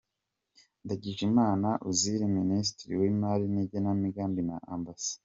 Ndagijimana Uzziel, Minisitiri w’Imari n’igenamigambi na Amb.